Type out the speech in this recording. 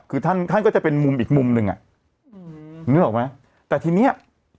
คือท่านท่านก็จะเป็นมุมอีกมุมหนึ่งอ่ะอืมนึกออกไหมแต่ทีเนี้ย